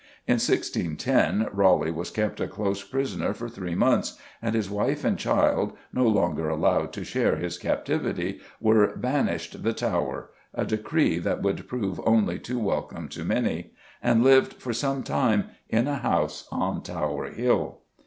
In 1610 Raleigh was kept a close prisoner for three months, and his wife and child, no longer allowed to share his captivity, were "banished the Tower" a decree that would prove only too welcome to many and lived for some time in a house on Tower Hill.